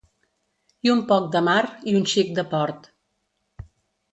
I un poc de mar i un xic de port.